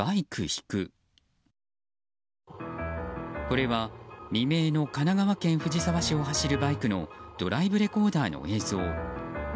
これは、未明の神奈川県藤沢市を走るバイクのドライブレコーダーの映像。